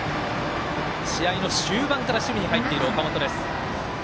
試合の終盤から守備に入っている岡本。